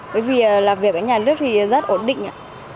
bởi vì làm việc ở nhà nước thì rất ổn định ạ